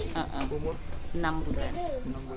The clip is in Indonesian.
iya enam bulan